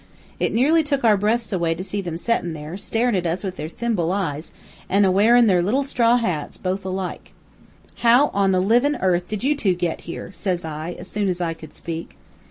"It nearly took our breaths away to see them settin' there, staring at us with their thimble eyes, an' a wearin' their little straw hats, both alike. "'How on the livin' earth did you two got here?' says I, as soon as I could speak.